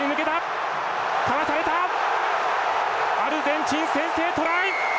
アルゼンチン、先制トライ！